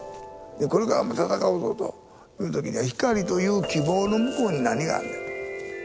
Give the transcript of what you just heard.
これからも闘うぞという時には光という希望の向こうに何があんのやと。